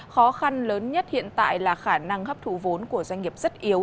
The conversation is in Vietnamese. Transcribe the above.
khó khăn lớn nhất hiện tại là khả năng hấp thụ vốn của doanh nghiệp rất yếu